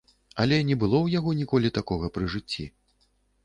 Але не было ў яго ніколі такога пры жыцці!